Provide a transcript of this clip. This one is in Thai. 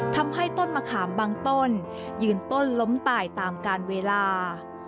ทำให้ต้นมะขามบางต้นยืนต้นล้มตายตามการเวลา